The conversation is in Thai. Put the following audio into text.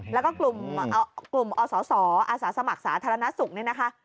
แล้วก็กลุ่มอศอาสาสมัครสาธารณสุขเนี่ยนะคะ